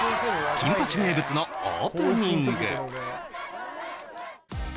金八名物のオープニング